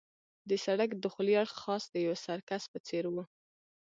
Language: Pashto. د سړک دخولي اړخ خاص د یوه سرکس په څېر وو.